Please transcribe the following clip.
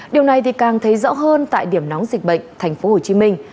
điều này càng thấy rõ hơn tại điểm nóng dịch bệnh thành phố hồ chí minh